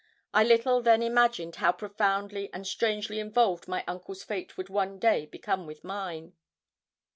I little then imagined how profoundly and strangely involved my uncle's fate would one day become with mine.